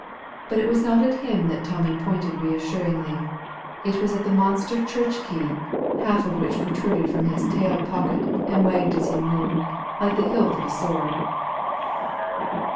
But it was not at him that Tommy pointed reassuringly; it was at the monster church key, half of which protruded from his tail pocket and waggled as he moved, like the hilt of a sword.